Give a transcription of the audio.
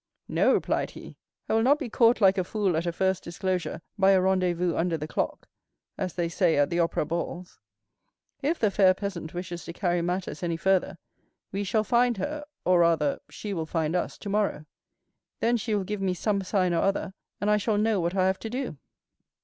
"No," replied he; "I will not be caught like a fool at a first disclosure by a rendezvous under the clock, as they say at the opera balls. If the fair peasant wishes to carry matters any further, we shall find her, or rather, she will find us tomorrow; then she will give me some sign or other, and I shall know what I have to do."